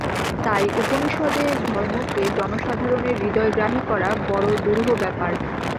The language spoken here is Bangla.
তাই উপনিষদের ধর্মকে জনসাধারণের হৃদয়গ্রাহী করা বড় দুরূহ ব্যাপার।